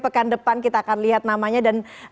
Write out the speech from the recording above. pekan depan kita akan lihat namanya dan